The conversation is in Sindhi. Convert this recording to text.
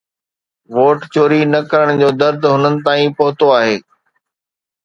ووٽ چوري نه ڪرڻ جو درد هنن تائين پهتو آهي